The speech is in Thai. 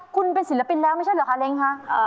คุณเป็นศิลปินแล้วไม่ใช่เหรอคะเล้งคะ